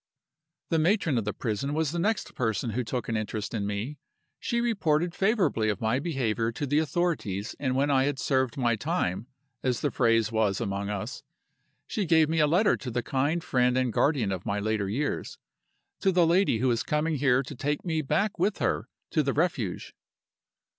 "The matron of the prison was the next person who took an interest in me. She reported favorably of my behavior to the authorities and when I had served my time (as the phrase was among us) she gave me a letter to the kind friend and guardian of my later years to the lady who is coming here to take me back with her to the Refuge.